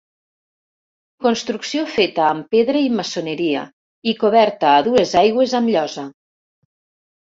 Construcció feta amb pedra i maçoneria i coberta a dues aigües amb llosa.